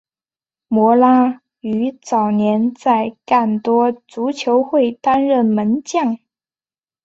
摩拉于早年在干多足球会担任门将。